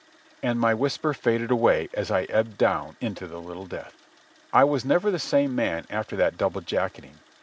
And my whisper faded away as I ebbed down into the little death. I was never the same man after that double jacketing.